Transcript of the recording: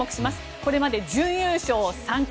これまで準優勝３回。